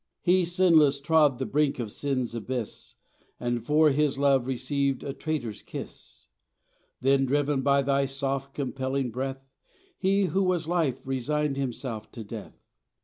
He, sinless, trod the brink of sin's abyss And for His love received a traitor's kiss; Then driven by thy soft compelling breath He, who was Life, resigned himself to death.